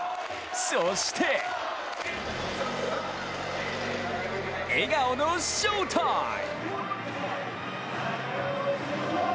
そして笑顔のショータイム！